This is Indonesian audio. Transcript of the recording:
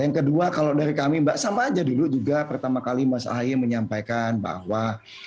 yang kedua kalau dari kami mbak sama aja dulu juga pertama kali mas ahaye menyampaikan bahwa